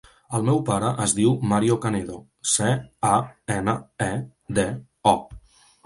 El meu pare es diu Mario Canedo: ce, a, ena, e, de, o.